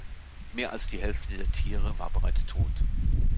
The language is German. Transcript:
Mehr als die Hälfte der Tiere war bereits tot.